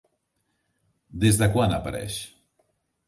Des de quan apareix?